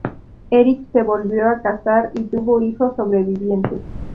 Eric se volvió a casar y tuvo hijos sobrevivientes.